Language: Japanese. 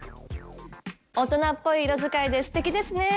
大人っぽい色使いですてきですね。